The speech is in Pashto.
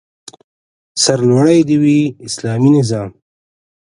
سرلوړی دې وي اسلامي نظام